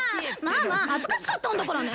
ママ恥ずかしかったんだからね。